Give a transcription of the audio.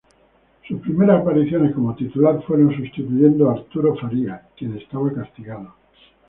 Sus primera apariciones como titular fueron sustituyendo a Arturo Farías, quien estaba castigado.